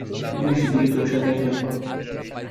নিষিদ্ধ কিছু সাথে আছে, আপা?